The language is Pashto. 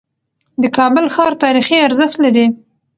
د کابل ښار تاریخي ارزښت لري.